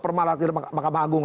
permalatir mahkamah agung